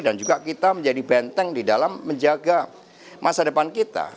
dan juga kita menjadi benteng di dalam menjaga masa depan kita